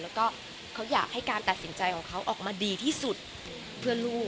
แล้วก็เขาอยากให้การตัดสินใจของเขาออกมาดีที่สุดเพื่อลูก